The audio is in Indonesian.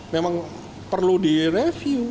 memang perlu direview